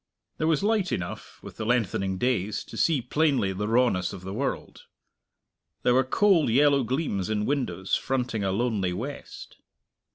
There was light enough, with the lengthening days, to see plainly the rawness of the world. There were cold yellow gleams in windows fronting a lonely west.